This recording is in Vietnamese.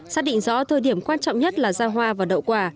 xác định rõ thời điểm quan trọng nhất là ra hoa và đậu quả